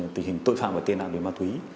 tình hình tội phạm và tên ảnh về mặt túy